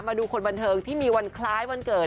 มาดูคนบันเทิงที่มีวันคล้ายวันเกิด